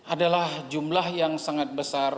adalah jumlah yang sangat besar